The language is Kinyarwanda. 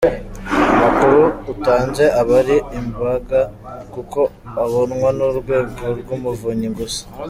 Amakuru utanze aba ari ibanga kuko abonwa n’Urwego rw’Umuvunyi gusa.